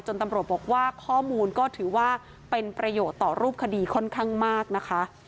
ตำรวจบอกว่าข้อมูลก็ถือว่าเป็นประโยชน์ต่อรูปคดีค่อนข้างมากนะคะ